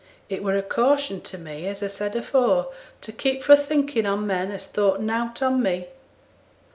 It were a caution to me, as I said afore, to keep fro' thinking on men as thought nought on me.'